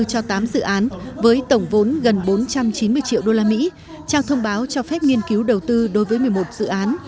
cho tám dự án với tổng vốn gần bốn trăm chín mươi triệu usd trao thông báo cho phép nghiên cứu đầu tư đối với một mươi một dự án